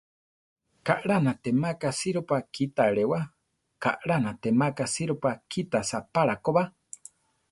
Kaʼlá natémaka sirópa kita alewá; kaʼlá natémaka sirópa kita saʼpála koba.